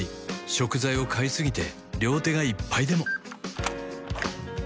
食材を買いすぎて両手がいっぱいでも